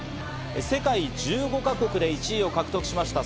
世界１５か国で１位を獲得しました。